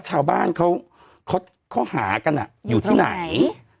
ชาวบ้านเขาหากันอยู่ที่ไหน